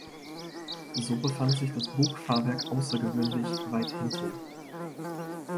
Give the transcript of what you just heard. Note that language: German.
So befand sich das Bugfahrwerk außergewöhnlich weit hinten.